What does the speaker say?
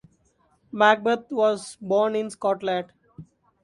Macbeth was born in Scotland.